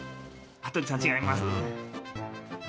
羽鳥さん違います。